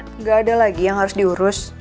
tidak ada lagi yang harus diurus